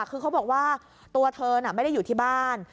คือเขาบอกว่าตัวเธอน่ะไม่ได้อยู่ที่บ้าน